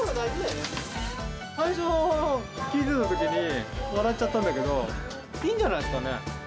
最初、聴いてたときに、笑っちゃったんだけど、いいんじゃないっすかね。